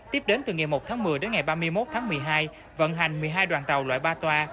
tiếp đến từ ngày một tháng một mươi đến ngày ba mươi một tháng một mươi hai vận hành một mươi hai đoàn tàu loại ba toa